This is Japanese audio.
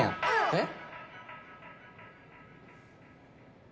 えっ？